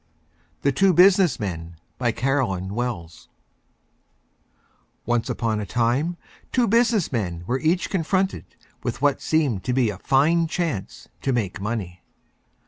THE TWO BUSINESS MEN BY CAROLYN WELLS Once on a Time two Business Men were Each Confronted with what seemed to be a Fine Chance to Make Money.